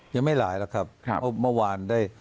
ยังไม่หลายหรอกครับเพราะเมื่อวานได้